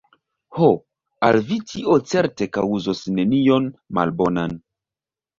Ho, al vi tio certe kaŭzos nenion malbonan!